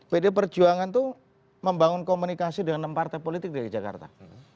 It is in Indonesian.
pdi perjuangan itu membangun komunikasi dengan enam partai politik dari jakarta